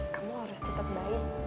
kamu harus tetap baik